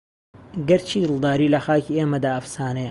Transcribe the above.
گەر چی دڵداری لە خاکی ئێمەدا ئەفسانەیە